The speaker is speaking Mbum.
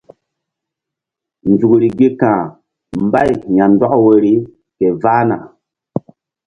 Nzukri gi ka̧h mbay ya̧ndɔk woyri ke vahna.